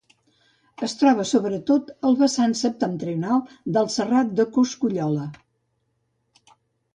Es troba sobretot al vessant septentrional del Serrat de Coscollola.